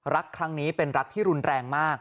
รักครั้งนี้เป็นรักที่รุนแรงมาก